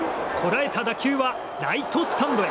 こらえた打球はライトスタンドへ。